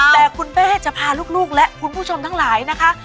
แต่คุณแม่จะพาลูกและคุณผู้ชมทั้งหลายนะคะ